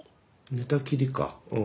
寝たきりかうん。